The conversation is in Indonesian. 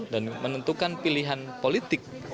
dan menentukan pilihan politik